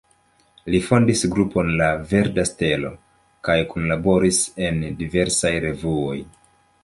Li fondis grupon la „Verda Stelo“ kaj kunlaboris en diversaj revuoj.